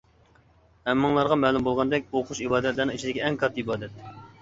ھەممىڭلارغا مەلۇم بولغاندەك ئوقۇش ئىبادەتلەرنىڭ ئىچىدىكى ئەڭ كاتتا ئىبادەت.